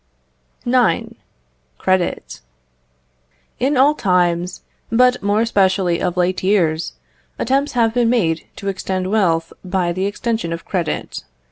IX. Credit. In all times, but more especially of late years, attempts have been made to extend wealth by the extension of credit.